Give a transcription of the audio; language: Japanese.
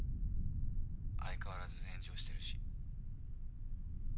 相変わらず炎上してるし。